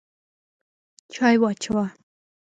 چای واچوه!